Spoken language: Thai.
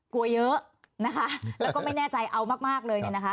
กลัวเยอะนะคะแล้วก็ไม่แน่ใจเอามากเลยเนี่ยนะคะ